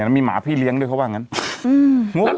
มีหมาพี่เลี้ยงด้วยเขาว่าอย่างนั้น